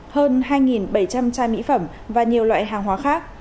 hơn hai bảy trăm linh chai mỹ phẩm và nhiều loại hạt